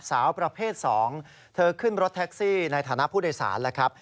สาวประเภท๒เธอขึ้นรถแท็กซี่ในฐานะผู้โดยสารแล้วครับ